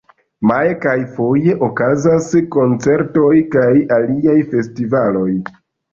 Maje kaj foje okazas koncertoj kaj aliaj festivaloj.